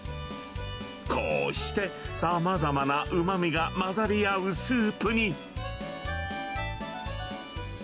こうしてさまざまなうまみが混ざり合うスープに。